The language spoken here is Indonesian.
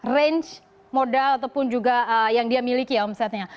range modal ataupun juga yang dia miliki omsetnya